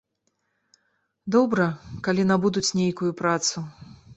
Добра, калі набудуць нейкую працу.